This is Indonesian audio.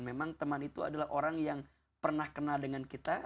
memang teman itu adalah orang yang pernah kenal dengan kita